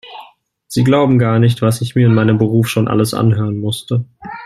Sie glauben gar nicht, was ich mir in meinem Beruf schon alles anhören musste.